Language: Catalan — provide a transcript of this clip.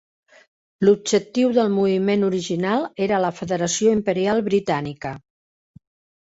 L'objectiu del moviment original era la federació imperial britànica.